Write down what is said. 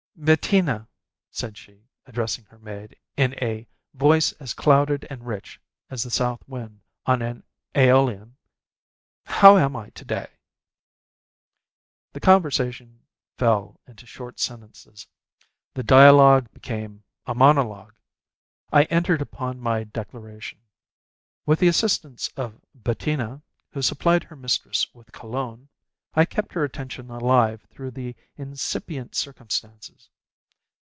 "Bettina," said she, addressing her maid in a voice as clouded and rich as the south wind on an Æolian, "how am I to day?" The conversation fell into short sentences. The dialogue became a monologue. I entered upon my declaration. With the assistance of Bettina, who supplied her mistress with cologne, I kept her attention alive through the incipient circumstances.